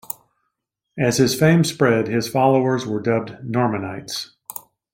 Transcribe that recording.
As his fame spread, his followers were dubbed Normanites.